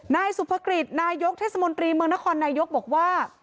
นายสุภกฤษนายกเทศมนตรีเมืองนครนายกบอกว่า